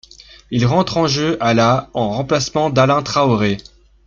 Il rentre en jeu a la en remplacement d'Alain Traoré.